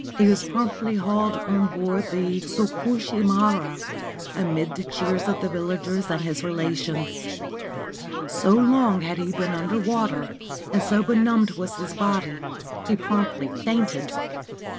He was promptly hauled on board the Tsukushi maru amid the cheers of the villagers and his relations. So long had he been under water, and so benumbed was his body, he promptly fainted.